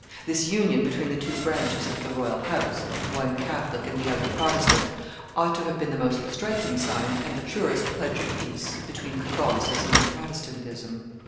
This union between the two branches of the royal house, one Catholic and the other Protestant, ought to have been the most striking sign and the surest pledge of peace between Catholicism and Protestantism.